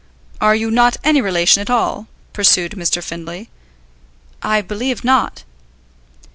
'" "Are you not any relation at all?" pursued Mr. Findlay. "I believe not."